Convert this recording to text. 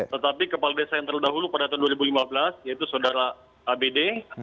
tetapi kepala desa yang terdahulu pada tahun dua ribu lima belas yaitu saudara abd